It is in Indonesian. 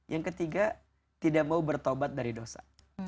yang ketiga tidak mau bertobat dari dosa